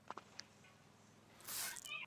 氢化电子偶素是奇异化合物的一个例子。